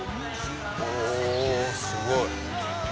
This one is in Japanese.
ほおすごい！